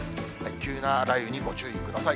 急な雷雨にご注意ください。